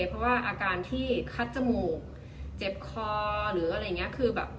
เพราะว่าอาการที่คัดจมูกเจ็บคอหรืออะไรอย่างนี้คือแบบ